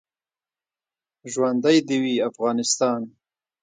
ژوندی دې وي افغانستان.